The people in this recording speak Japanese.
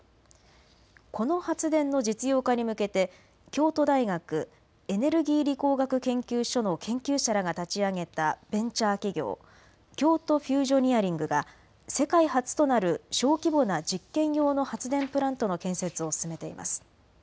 この発電の実用化に向けて京都大学エネルギー理工学研究所の研究者らが立ち上げたベンチャー企業、京都フュージョニアリングが世界初となる小規模な実験用の発電プラントの建設を進めています。